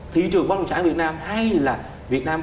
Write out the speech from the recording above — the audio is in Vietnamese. thị trường bất động sản việt nam hay là việt nam